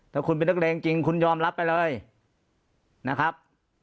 ถ้าคุณเป็นนักเลงจริงคุณยอมรับไปเลยนะครับ